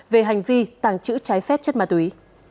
về hành vi tàng trữ trái phép chất ma túy